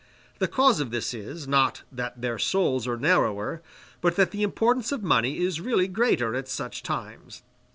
The cause of this is, not that their souls are narrower, but that the importance of money is really greater at such times.